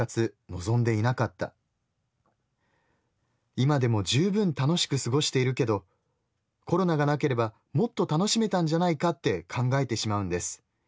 今でも十分楽しく過ごしているけどコロナがなければもっと楽しめたんじゃないかって考えてしまうんです。